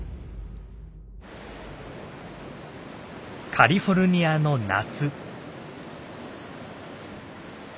カリフォルニアの夏。